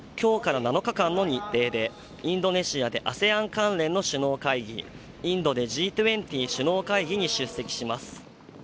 岸田総理はきょうから７日間の日程で、インドネシアでＡＳＥＡＮ関連の首脳会議、インドでＧ２０首脳会議に出席します。